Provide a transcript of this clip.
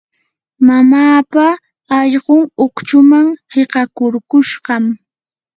mamaapa allqun uchkuman qiqakurkushqam.